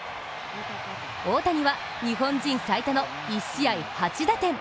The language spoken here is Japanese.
大谷は日本人最多の１試合８打点。